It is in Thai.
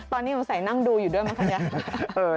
ตอนนี้ผมใส่นั่งดูอยู่ด้วยมั้ยครับเนี่ย